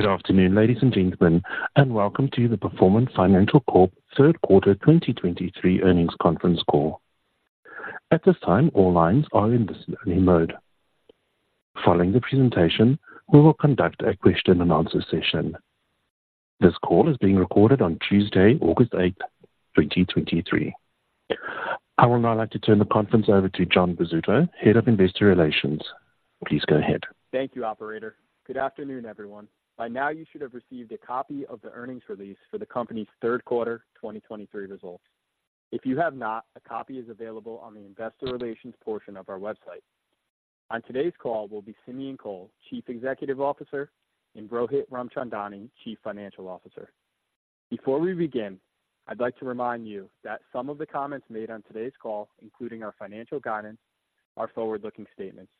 Good afternoon, ladies and gentlemen, and welcome to the Performant Financial Corp third quarter 2023 earnings conference call. At this time, all lines are in listen-only mode. Following the presentation, we will conduct a question-and-answer session. This call is being recorded on Tuesday, August 8th, 2023. I would now like to turn the conference over to Jon Bozzuto, Head of Investor Relations. Please go ahead. Thank you, Operator. Good afternoon, everyone. By now, you should have received a copy of the earnings release for the company's third quarter 2023 results. If you have not, a copy is available on the investor relations portion of our website. On today's call will be Simeon Kohl, Chief Executive Officer, and Rohit Ramchandani, Chief Financial Officer. Before we begin, I'd like to remind you that some of the comments made on today's call, including our financial guidance, are forward-looking statements.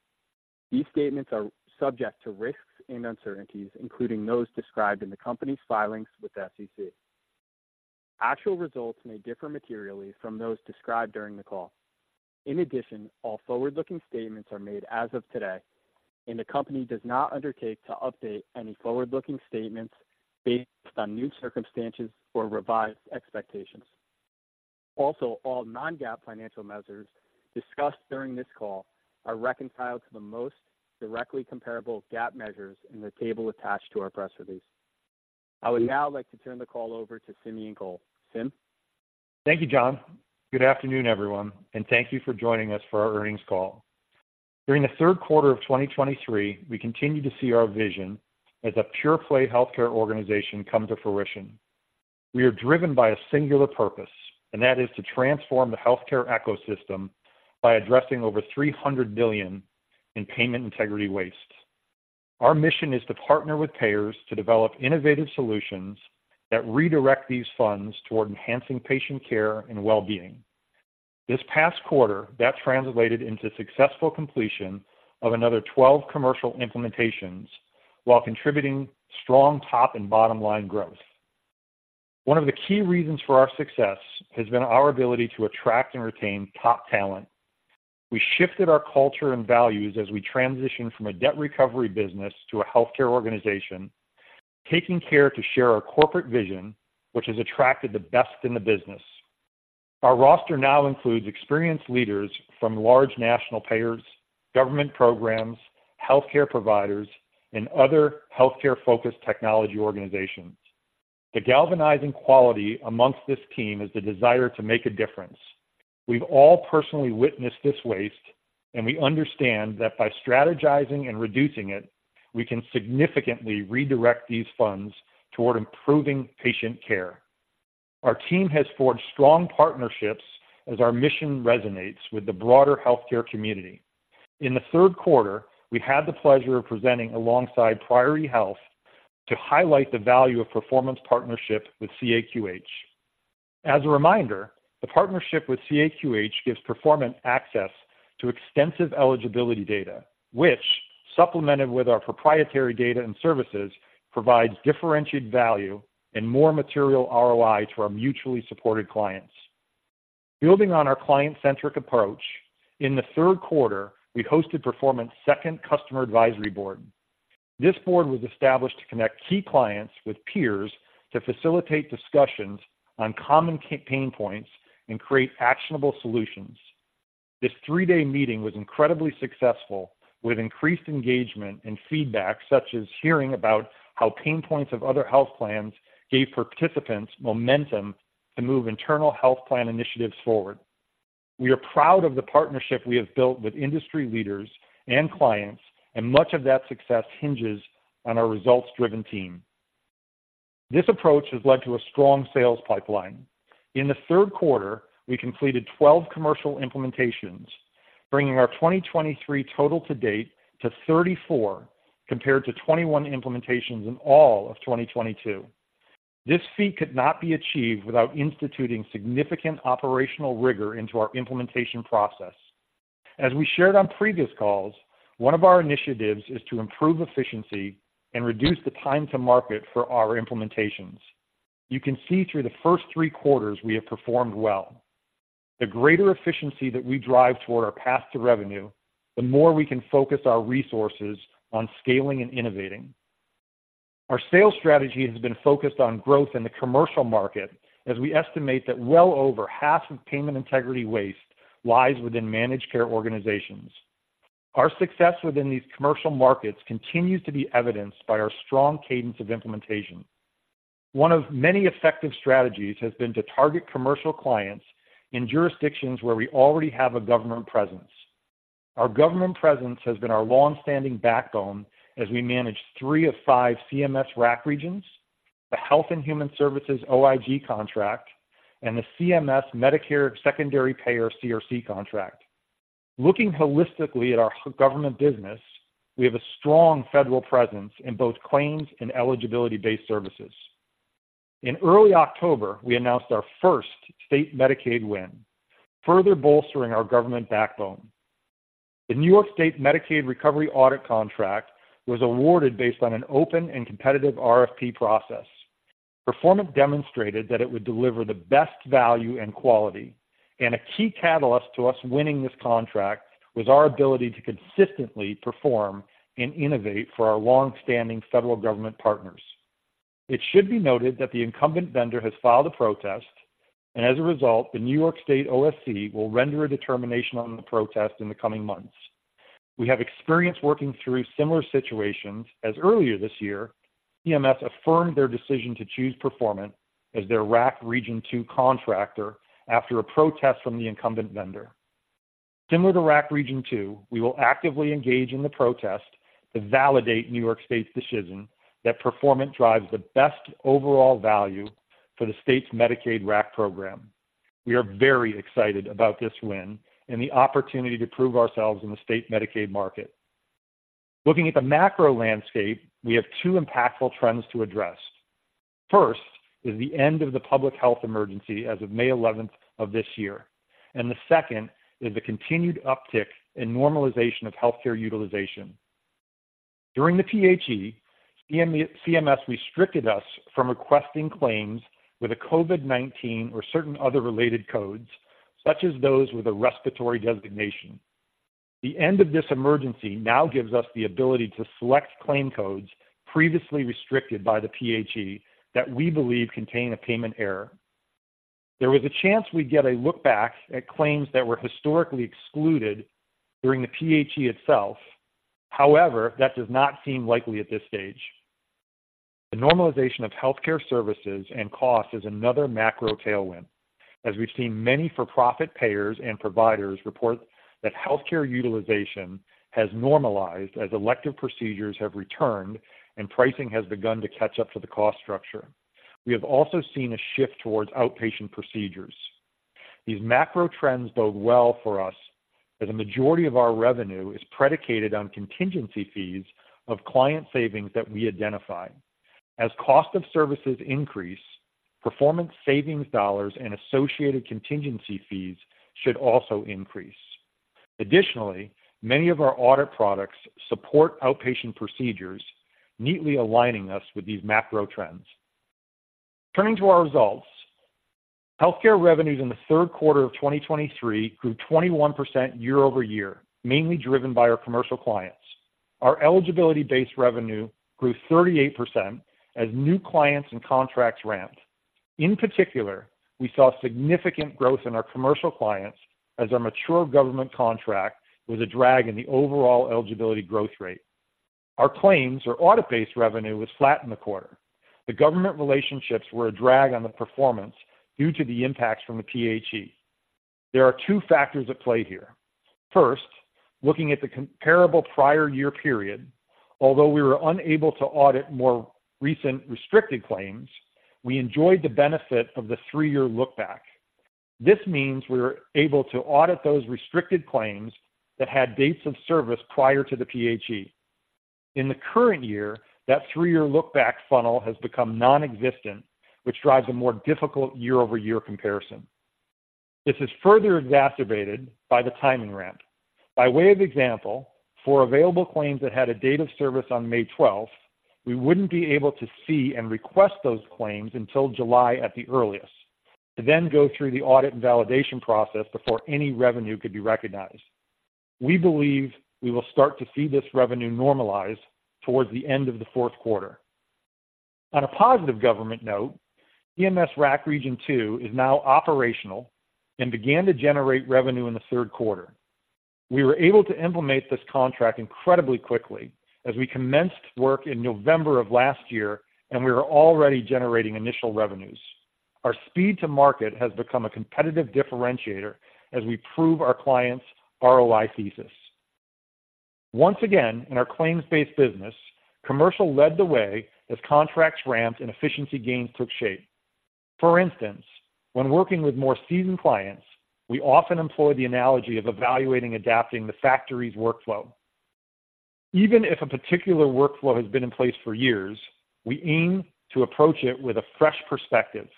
These statements are subject to risks and uncertainties, including those described in the company's filings with the SEC. Actual results may differ materially from those described during the call. In addition, all forward-looking statements are made as of today, and the company does not undertake to update any forward-looking statements based on new circumstances or revised expectations. Also, all non-GAAP financial measures discussed during this call are reconciled to the most directly comparable GAAP measures in the table attached to our press release. I would now like to turn the call over to Simeon Kohl. Sim? Thank you, Jon. Good afternoon, everyone, and thank you for joining us for our earnings call. During the third quarter of 2023, we continued to see our vision as a pure-play healthcare organization come to fruition. We are driven by a singular purpose, and that is to transform the healthcare ecosystem by addressing over $300 billion in payment integrity waste. Our mission is to partner with payers to develop innovative solutions that redirect these funds toward enhancing patient care and well-being. This past quarter, that translated into successful completion of another 12 commercial implementations, while contributing strong top and bottom line growth. One of the key reasons for our success has been our ability to attract and retain top talent. We shifted our culture and values as we transition from a debt recovery business to a healthcare organization, taking care to share our corporate vision, which has attracted the best in the business. Our roster now includes experienced leaders from large national payers, government programs, healthcare providers, and other healthcare-focused technology organizations. The galvanizing quality amongst this team is the desire to make a difference. We've all personally witnessed this waste, and we understand that by strategizing and reducing it, we can significantly redirect these funds toward improving patient care. Our team has forged strong partnerships as our mission resonates with the broader healthcare community. In the third quarter, we had the pleasure of presenting alongside Priority Health to highlight the value of Performant partnership with CAQH. As a reminder, the partnership with CAQH gives Performant access to extensive eligibility data, which, supplemented with our proprietary data and services, provides differentiated value and more material ROI to our mutually supported clients. Building on our client-centric approach, in the third quarter, we hosted Performant's second Customer Advisory Board. This board was established to connect key clients with peers to facilitate discussions on common pain points and create actionable solutions. This three-day meeting was incredibly successful, with increased engagement and feedback, such as hearing about how pain points of other health plans gave participants momentum to move internal health plan initiatives forward. We are proud of the partnership we have built with industry leaders and clients, and much of that success hinges on our results-driven team. This approach has led to a strong sales pipeline. In the third quarter, we completed 12 commercial implementations, bringing our 2023 total to date to 34, compared to 21 implementations in all of 2022. This feat could not be achieved without instituting significant operational rigor into our implementation process. As we shared on previous calls, one of our initiatives is to improve efficiency and reduce the time to market for our implementations. You can see through the first three quarters, we have performed well. The greater efficiency that we drive toward our path to revenue, the more we can focus our resources on scaling and innovating. Our sales strategy has been focused on growth in the commercial market, as we estimate that well over half of payment integrity waste lies within managed care organizations. Our success within these commercial markets continues to be evidenced by our strong cadence of implementation. One of many effective strategies has been to target commercial clients in jurisdictions where we already have a government presence. Our government presence has been our longstanding backbone as we manage three of five CMS RAC regions, the Health and Human Services OIG contract, and the CMS Medicare Secondary Payer CRC contract. Looking holistically at our government business, we have a strong federal presence in both claims and eligibility-based services. In early October, we announced our first state Medicaid win, further bolstering our government backbone. The New York State Medicaid Recovery Audit Contract was awarded based on an open and competitive RFP process. Performant demonstrated that it would deliver the best value and quality, and a key catalyst to us winning this contract was our ability to consistently perform and innovate for our long-standing federal government partners. It should be noted that the incumbent vendor has filed a protest, and as a result, the New York State OSC will render a determination on the protest in the coming months. We have experience working through similar situations, as earlier this year, CMS affirmed their decision to choose Performant as their RAC Region II contractor after a protest from the incumbent vendor. Similar to RAC Region II, we will actively engage in the protest to validate New York State's decision that Performant drives the best overall value for the state's Medicaid RAC program. We are very excited about this win and the opportunity to prove ourselves in the state Medicaid market. Looking at the macro landscape, we have two impactful trends to address. First is the end of the Public Health Emergency as of May 11th of this year, and the second is the continued uptick in normalization of healthcare utilization. During the PHE, CMS restricted us from requesting claims with a COVID-19 or certain other related codes, such as those with a respiratory designation. The end of this emergency now gives us the ability to select claim codes previously restricted by the PHE, that we believe contain a payment error. There was a chance we'd get a look-back at claims that were historically excluded during the PHE itself. However, that does not seem likely at this stage. The normalization of healthcare services and costs is another macro tailwind, as we've seen many for-profit payers and providers report that healthcare utilization has normalized as elective procedures have returned and pricing has begun to catch up to the cost structure. We have also seen a shift towards outpatient procedures. These macro trends bode well for us, as a majority of our revenue is predicated on contingency fees of client savings that we identify. As cost of services increase, Performant savings dollars and associated contingency fees should also increase. Additionally, many of our audit products support outpatient procedures, neatly aligning us with these macro trends. Turning to our results, healthcare revenues in the third quarter of 2023 grew 21% year-over-year, mainly driven by our commercial clients. Our eligibility-based revenue grew 38% as new clients and contracts ramped. In particular, we saw significant growth in our commercial clients as our mature government contract was a drag in the overall eligibility growth rate. Our claims or audit-based revenue was flat in the quarter. The government relationships were a drag on the performance due to the impacts from the PHE. There are two factors at play here. First, looking at the comparable prior year period, although we were unable to audit more recent restricted claims, we enjoyed the benefit of the three-year look-back. This means we were able to audit those restricted claims that had dates of service prior to the PHE. In the current year, that three-year look-back funnel has become non-existent, which drives a more difficult year-over-year comparison. This is further exacerbated by the timing ramp. By way of example, for available claims that had a date of service on May twelfth, we wouldn't be able to see and request those claims until July at the earliest, to then go through the audit and validation process before any revenue could be recognized. We believe we will start to see this revenue normalize towards the end of the fourth quarter. On a positive government note, CMS RAC Region II is now operational and began to generate revenue in the third quarter. We were able to implement this contract incredibly quickly as we commenced work in November of last year, and we are already generating initial revenues. Our speed to market has become a competitive differentiator as we prove our clients' ROI thesis. Once again, in our claims-based business, commercial led the way as contracts ramped and efficiency gains took shape. For instance, when working with more seasoned clients, we often employ the analogy of evaluating, adapting the factory's workflow. Even if a particular workflow has been in place for years, we aim to approach it with a fresh perspective,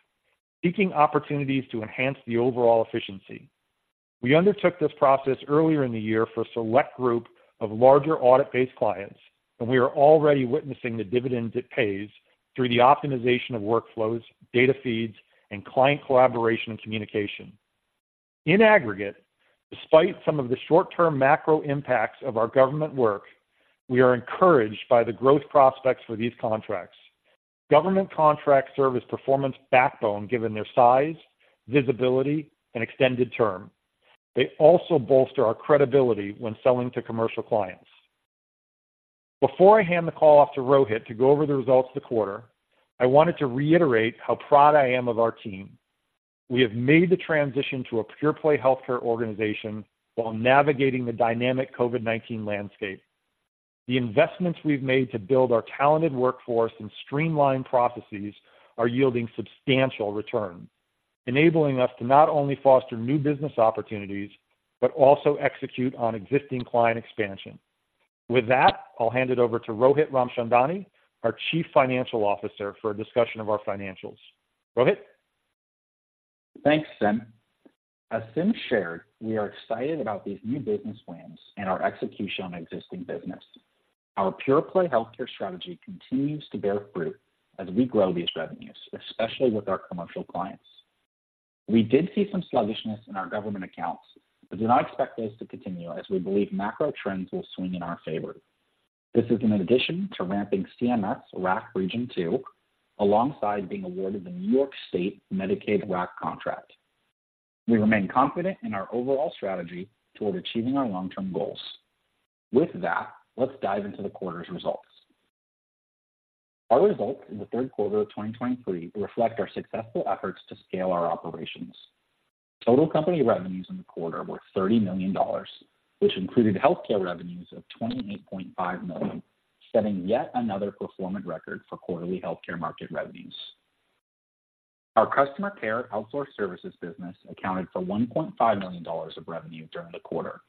seeking opportunities to enhance the overall efficiency. We undertook this process earlier in the year for a select group of larger audit-based clients, and we are already witnessing the dividends it pays through the optimization of workflows, data feeds, and client collaboration and communication. In aggregate, despite some of the short-term macro impacts of our government work, we are encouraged by the growth prospects for these contracts. Government contracts serve as Performant's backbone, given their size, visibility, and extended term. They also bolster our credibility when selling to commercial clients. Before I hand the call off to Rohit to go over the results of the quarter, I wanted to reiterate how proud I am of our team. We have made the transition to a pure-play healthcare organization while navigating the dynamic COVID-19 landscape. The investments we've made to build our talented workforce and streamline processes are yielding substantial returns, enabling us to not only foster new business opportunities, but also execute on existing client expansion. With that, I'll hand it over to Rohit Ramchandani, our Chief Financial Officer, for a discussion of our financials. Rohit? Thanks, Sim. As Sim shared, we are excited about these new business wins and our execution on existing business. Our pure-play healthcare strategy continues to bear fruit as we grow these revenues, especially with our commercial clients. We did see some sluggishness in our government accounts, but do not expect this to continue as we believe macro trends will swing in our favor. This is in addition to ramping CMS RAC Region II, alongside being awarded the New York State Medicaid RAC contract. We remain confident in our overall strategy toward achieving our long-term goals. With that, let's dive into the quarter's results. Our results in the third quarter of 2023 reflect our successful efforts to scale our operations. Total company revenues in the quarter were $30 million, which included healthcare revenues of $28.5 million, setting yet another performance record for quarterly healthcare market revenues. Our customer care outsourced services business accounted for $1.5 million of revenue during the quarter,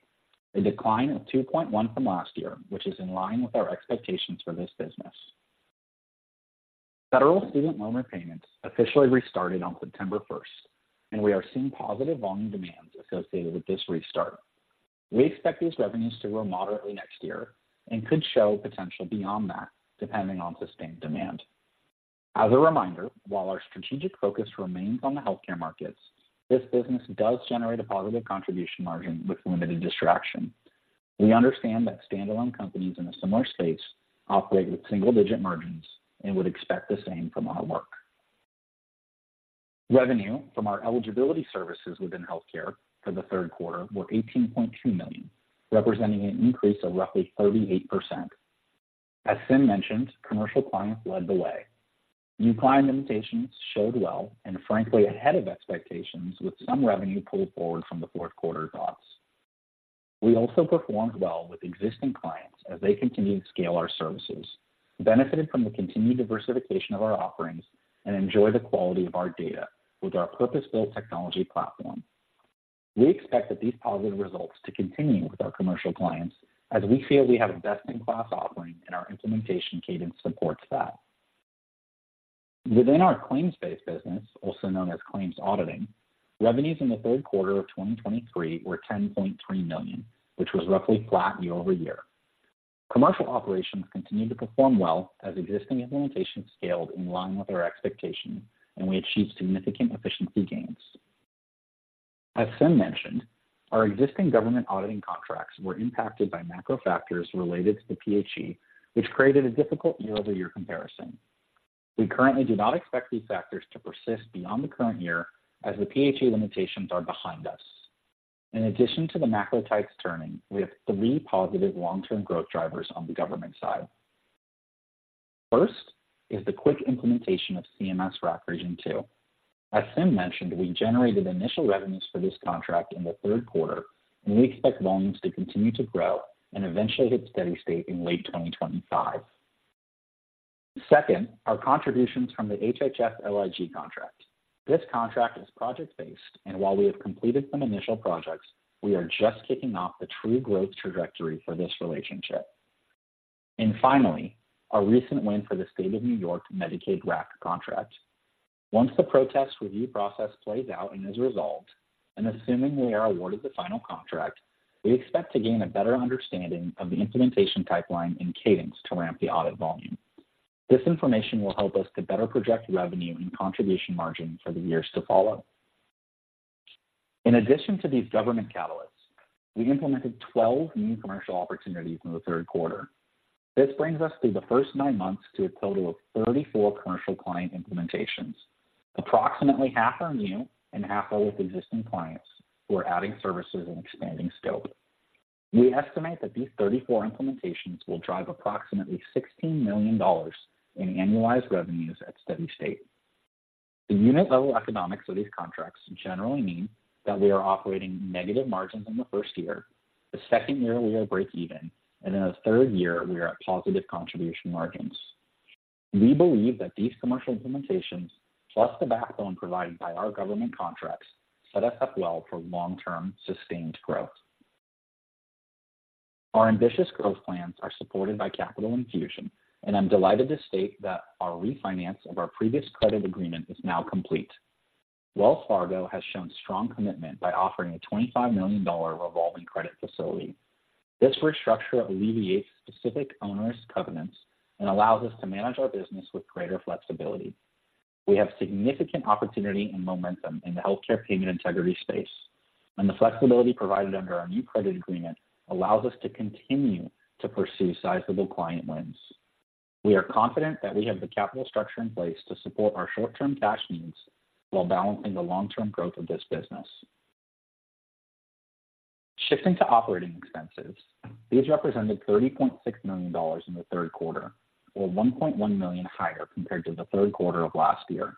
a decline of $2.1 million from last year, which is in line with our expectations for this business. Federal student loan repayments officially restarted on September 1st, and we are seeing positive volume demands associated with this restart. We expect these revenues to grow moderately next year and could show potential beyond that, depending on sustained demand. As a reminder, while our strategic focus remains on the healthcare markets, this business does generate a positive contribution margin with limited distraction. We understand that standalone companies in a similar space operate with single-digit margins and would expect the same from our work. Revenue from our eligibility services within healthcare for the third quarter were $18.2 million, representing an increase of roughly 38%. As Sim mentioned, commercial clients led the way. New client implementations showed well and frankly, ahead of expectations, with some revenue pulled forward from the fourth quarter drops. We also performed well with existing clients as they continued to scale our services, benefited from the continued diversification of our offerings, and enjoyed the quality of our data with our purpose-built technology platform. We expect that these positive results to continue with our commercial clients as we feel we have a best-in-class offering, and our implementation cadence supports that. Within our claims-based business, also known as claims auditing, revenues in the third quarter of 2023 were $10.3 million, which was roughly flat year-over-year. Commercial operations continued to perform well as existing implementations scaled in line with our expectations, and we achieved significant efficiency gains. As Sim mentioned, our existing government auditing contracts were impacted by macro factors related to the PHE, which created a difficult year-over-year comparison. We currently do not expect these factors to persist beyond the current year as the PHE limitations are behind us. In addition to the macro tides turning, we have three positive long-term growth drivers on the government side. First is the quick implementation of CMS RAC Region II. As Sim mentioned, we generated initial revenues for this contract in the third quarter, and we expect volumes to continue to grow and eventually hit steady state in late 2025. Second, our contributions from the HHS OIG contract. This contract is project-based, and while we have completed some initial projects, we are just kicking off the true growth trajectory for this relationship. And finally, our recent win for the State of New York Medicaid RAC contract. Once the protest review process plays out and is resolved, and assuming we are awarded the final contract, we expect to gain a better understanding of the implementation pipeline and cadence to ramp the audit volume. This information will help us to better project revenue and contribution margin for the years to follow. In addition to these government catalysts, we implemented 12 new commercial opportunities in the third quarter. This brings us through the first nine months to a total of 34 commercial client implementations. Approximately half are new and half are with existing clients who are adding services and expanding scope. We estimate that these 34 implementations will drive approximately $16 million in annualized revenues at steady state. The unit-level economics of these contracts generally mean that we are operating negative margins in the first year. The second year, we are breakeven, and in the third year, we are at positive contribution margins. We believe that these commercial implementations, plus the backbone provided by our government contracts, set us up well for long-term, sustained growth. Our ambitious growth plans are supported by capital infusion, and I'm delighted to state that our refinance of our previous credit agreement is now complete. Wells Fargo has shown strong commitment by offering a $25 million revolving credit facility. This restructure alleviates specific onerous covenants and allows us to manage our business with greater flexibility. We have significant opportunity and momentum in the healthcare payment integrity space, and the flexibility provided under our new credit agreement allows us to continue to pursue sizable client wins. We are confident that we have the capital structure in place to support our short-term cash needs while balancing the long-term growth of this business. Shifting to operating expenses, these represented $30.6 million in the third quarter, or $1.1 million higher compared to the third quarter of last year.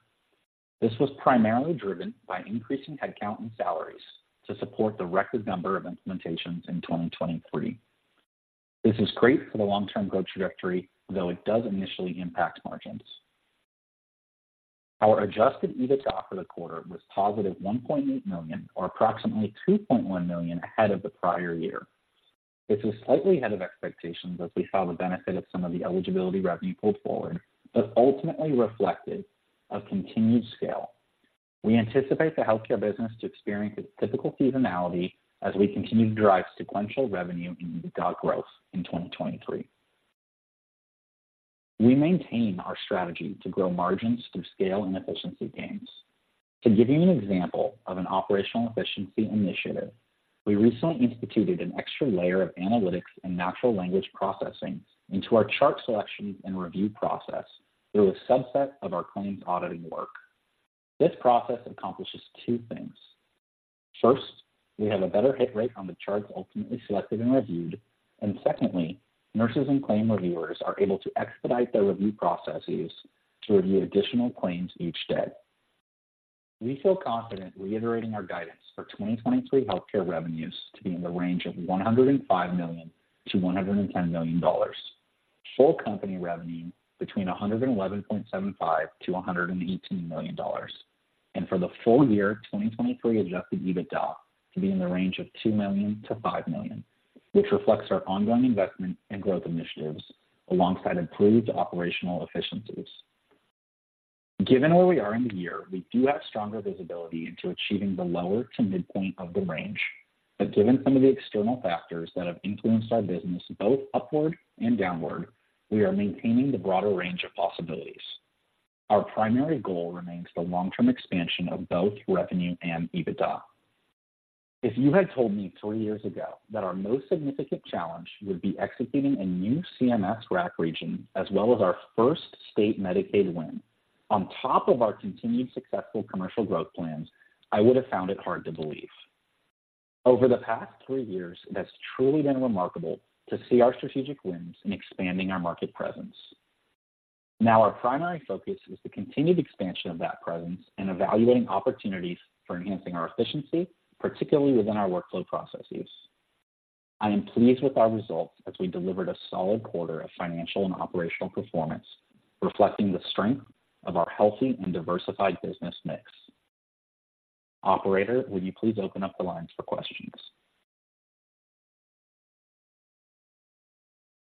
This was primarily driven by increasing headcount and salaries to support the record number of implementations in 2023. This is great for the long-term growth trajectory, though it does initially impact margins. Our adjusted EBITDA for the quarter was +$1.8 million, or approximately $2.1 million ahead of the prior year. This was slightly ahead of expectations as we saw the benefit of some of the eligibility revenue pulled forward, but ultimately reflected a continued scale. We anticipate the healthcare business to experience its typical seasonality as we continue to drive sequential revenue and EBITDA growth in 2023. We maintain our strategy to grow margins through scale and efficiency gains. To give you an example of an operational efficiency initiative, we recently instituted an extra layer of analytics and natural language processing into our chart selection and review process through a subset of our claims auditing work. This process accomplishes two things: First, we have a better hit rate on the charts ultimately selected and reviewed, and secondly, nurses and claim reviewers are able to expedite their review processes to review additional claims each day. We feel confident reiterating our guidance for 2023 healthcare revenues to be in the range of $105 million-$110 million. Full company revenue between $111.75 million-$118 million, and for the full year, 2023 adjusted EBITDA to be in the range of $2 million-$5 million, which reflects our ongoing investment and growth initiatives alongside improved operational efficiencies. Given where we are in the year, we do have stronger visibility into achieving the lower to midpoint of the range, but given some of the external factors that have influenced our business, both upward and downward, we are maintaining the broader range of possibilities. Our primary goal remains the long-term expansion of both revenue and EBITDA. If you had told me three years ago that our most significant challenge would be executing a new CMS RAC region, as well as our first state Medicaid win, on top of our continued successful commercial growth plans, I would have found it hard to believe. Over the past three years, it has truly been remarkable to see our strategic wins in expanding our market presence. Now, our primary focus is the continued expansion of that presence and evaluating opportunities for enhancing our efficiency, particularly within our workflow processes. I am pleased with our results as we delivered a solid quarter of financial and operational performance, reflecting the strength of our healthy and diversified business mix. Operator, will you please open up the lines for questions?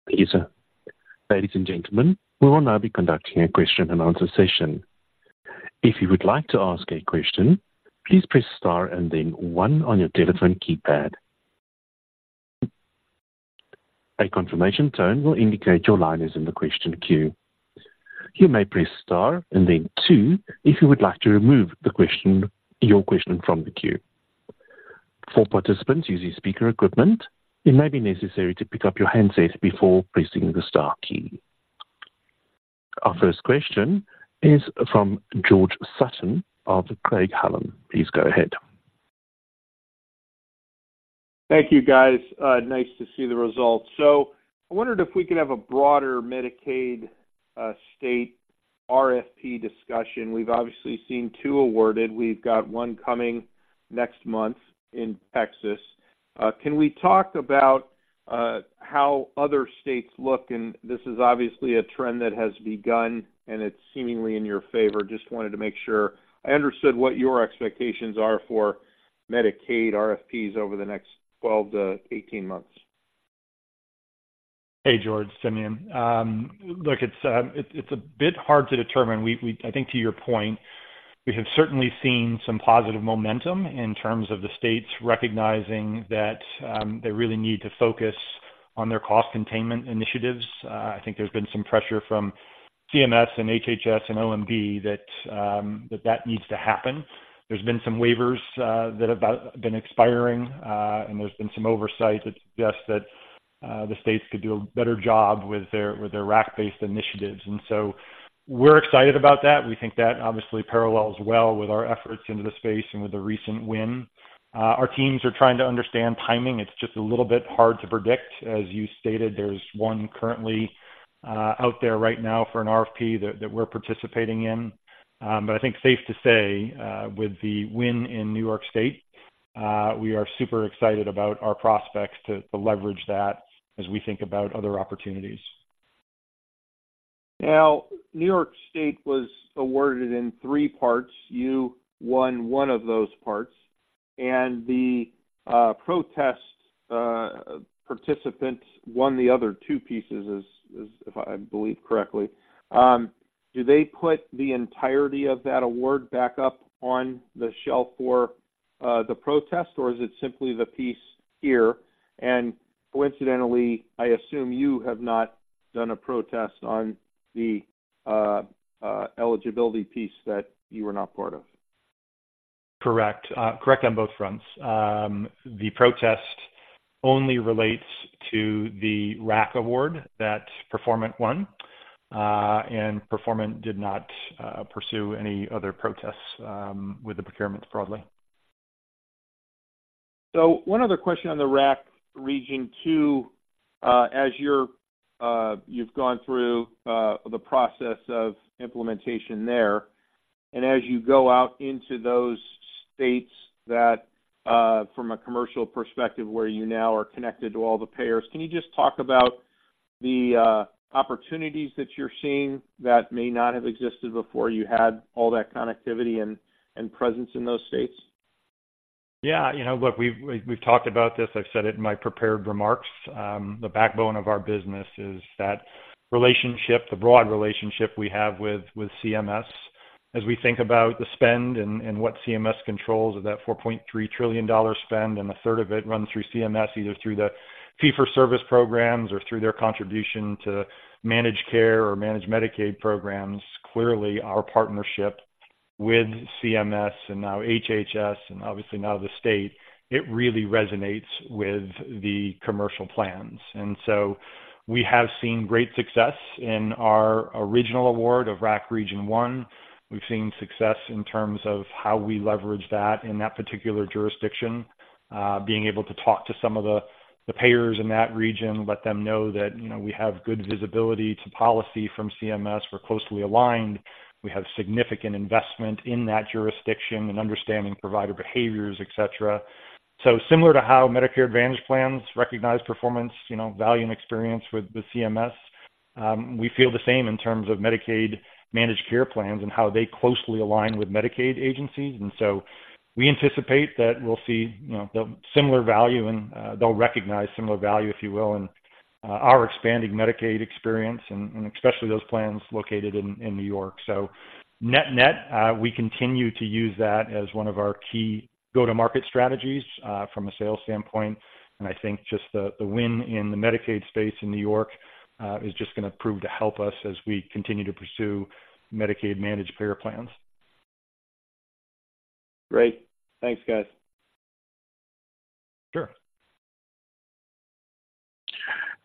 Thank you, sir. Ladies and gentlemen, we will now be conducting a question and answer session. If you would like to ask a question, please press star and then one on your telephone keypad. A confirmation tone will indicate your line is in the question queue. You may press star and then two, if you would like to remove the question, your question from the queue. For participants using speaker equipment, it may be necessary to pick up your handset before pressing the star key. Our first question is from George Sutton of Craig-Hallum. Please go ahead. Thank you, guys. Nice to see the results. So I wondered if we could have a broader Medicaid, state RFP discussion. We've obviously seen two awarded. We've got one coming next month in Texas. Can we talk about how other states look? And this is obviously a trend that has begun, and it's seemingly in your favor. Just wanted to make sure I understood what your expectations are for Medicaid RFPs over the next 12 to 18 months. Hey, George, it's Simeon. Look, it's a bit hard to determine. We, I think to your point, we have certainly seen some positive momentum in terms of the states recognizing that they really need to focus on their cost containment initiatives. I think there's been some pressure from CMS and HHS and OMB that that needs to happen. There's been some waivers that have been expiring, and there's been some oversight that suggests that the states could do a better job with their RAC-based initiatives, and so we're excited about that. We think that obviously parallels well with our efforts into the space and with the recent win. Our teams are trying to understand timing. It's just a little bit hard to predict. As you stated, there's one currently out there right now for an RFP that we're participating in. But I think safe to say, with the win in New York State, we are super excited about our prospects to leverage that as we think about other opportunities. Now, New York State was awarded in three parts. You won one of those parts, and the protest participants won the other two pieces, as if I believe correctly. Do they put the entirety of that award back up on the shelf for the protest, or is it simply the piece here? And coincidentally, I assume you have not done a protest on the eligibility piece that you were not part of. Correct. Correct on both fronts. The protest only relates to the RAC award that Performant won, and Performant did not pursue any other protests with the procurements broadly. So one other question on the RAC Region II. As you've gone through the process of implementation there, and as you go out into those states that, from a commercial perspective, where you now are connected to all the payers, can you just talk about the opportunities that you're seeing that may not have existed before you had all that connectivity and presence in those states? Yeah, you know, look, we've talked about this. I've said it in my prepared remarks. The backbone of our business is that relationship, the broad relationship we have with CMS. As we think about the spend and what CMS controls of that $4.3 trillion spend, and a third of it runs through CMS, either through the fee-for-service programs or through their contribution to managed care or managed Medicaid programs. Clearly, our partnership with CMS and now HHS, and obviously now the state, it really resonates with the commercial plans. And so we have seen great success in our original award of RAC Region I. We've seen success in terms of how we leverage that in that particular jurisdiction, being able to talk to some of the, the payers in that region, let them know that, you know, we have good visibility to policy from CMS. We're closely aligned. We have significant investment in that jurisdiction and understanding provider behaviors, etc. So similar to how Medicare Advantage plans recognize performance, you know, value, and experience with the CMS, we feel the same in terms of Medicaid managed care plans and how they closely align with Medicaid agencies. And so we anticipate that we'll see, you know, the similar value, and, they'll recognize similar value, if you will, in, our expanding Medicaid experience and, and especially those plans located in, in New York. So net-net, we continue to use that as one of our key go-to-market strategies, from a sales standpoint, and I think just the win in the Medicaid space in New York is just gonna prove to help us as we continue to pursue Medicaid managed payer plans. Great. Thanks, guys. Sure.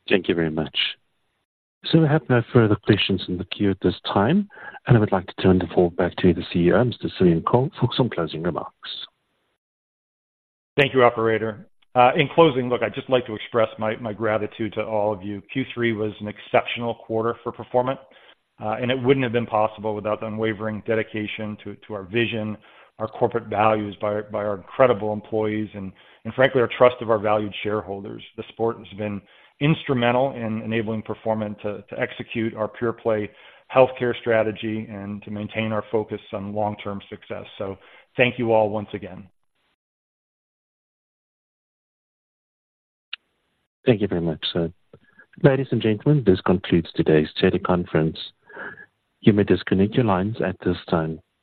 Thank you very much. So we have no further questions in the queue at this time, and I would like to turn the call back to the CEO, Mr. Simeon Kohl, for some closing remarks. Thank you, Operator. In closing, look, I'd just like to express my, my gratitude to all of you. Q3 was an exceptional quarter for Performant, and it wouldn't have been possible without the unwavering dedication to, to our vision, our corporate values by our, by our incredible employees and, and frankly, our trust of our valued shareholders. The support has been instrumental in enabling Performant to, to execute our pure-play healthcare strategy and to maintain our focus on long-term success. So thank you all once again. Thank you very much, sir. Ladies and gentlemen, this concludes today's teleconference. You may disconnect your lines at this time.